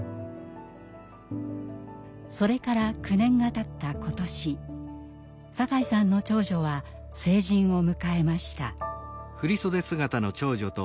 それから９年がたった今年酒井さんの長女は成人を迎えました。